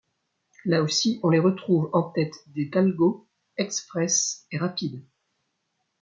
Là aussi, on les retrouve en tête des Talgo, express et rapides.